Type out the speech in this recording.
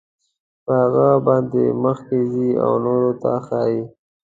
په هغه باندې مخکې ځي او نورو ته ښایي.